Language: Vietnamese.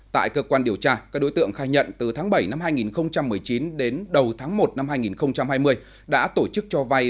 tại cơ quan điều tra các đối tượng khai nhận từ tháng bảy năm hai nghìn một mươi chín đến đầu tháng một năm hai nghìn hai mươi đã tổ chức cho vay